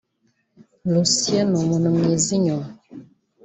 Lucien ni umuntu mwiza inyuma